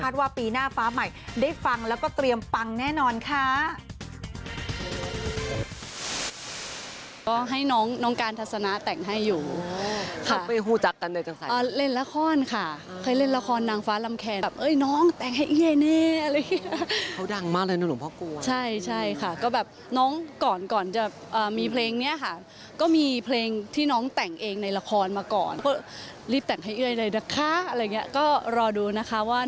สวยขึ้นเยอะเหมือนกันนะนี่แหละคุณผู้ชมค่ะ